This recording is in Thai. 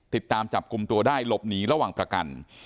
ติดตามจับกลุ่มตัวได้หลบหนีระหว่างประกัน